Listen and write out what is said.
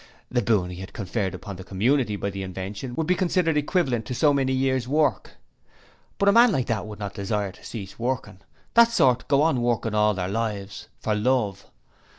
The boon he had conferred on the community by the invention, would be considered equivalent to so many years work. But a man like that would not desire to cease working; that sort go on working all their lives, for love.